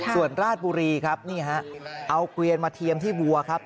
ส่วนราชบุรีครับนี่ฮะเอาเกวียนมาเทียมที่วัวครับ